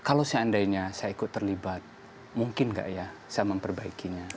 ada hal hal yang kalau seandainya saya ikut terlibat mungkin tidak saya memperbaikinya